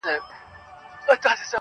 ماشومان تفریحي پارکونه خوښوي